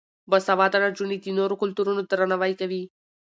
باسواده نجونې د نورو کلتورونو درناوی کوي.